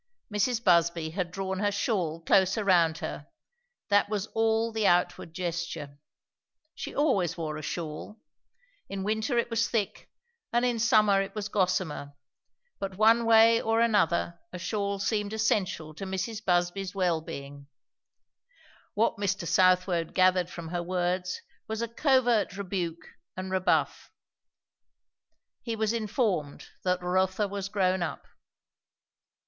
Mrs. Busby had drawn her shawl closer round her; that was all the outward gesture. She always wore a shawl. In winter it was thick and in summer it was gossamer; but one way or another a shawl seemed essential to Mrs. Busby's well being. What Mr. Southwode gathered from her words was a covert rebuke and rebuff. He was informed that Rotha was grown up.